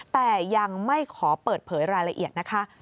แต่ยังไม่ขอเปิดเผยรายละเอียดนะคะ